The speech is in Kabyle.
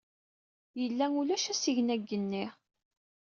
Yella ulac asigna deg yigenni.